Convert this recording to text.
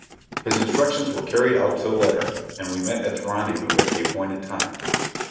His instructions were carried out to the letter, and we met at the rendezvous at the appointed time.